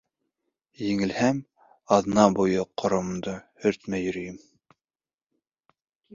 — Еңелһәм, аҙна буйы ҡоромдо һөртмәй йөрөйөм.